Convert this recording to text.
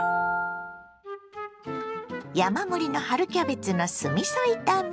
山盛りの春キャベツの酢みそ炒め。